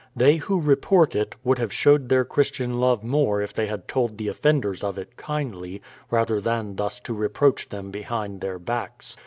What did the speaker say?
They who report it, would have showed their Christian love more if they had told the offenders of it kindly, rather than thus to reproach tlicm behind their backs.